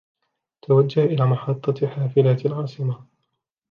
توجه إلى محطة حافلات العاصمة.